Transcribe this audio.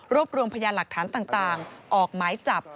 รวมรวมพยานหลักฐานต่างออกหมายจับ